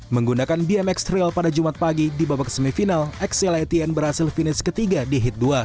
menggunakan bmx rail pada jumat pagi di babak semifinal xcilityn berhasil finish ketiga di hit dua